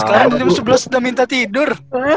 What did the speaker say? sekarang jam sebelas udah minta tidur